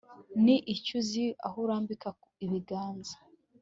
Ni iki uzi aho urambika ibiganza